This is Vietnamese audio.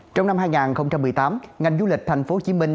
trong năm hai nghìn một mươi tám ngành du lịch thành phố hồ chí minh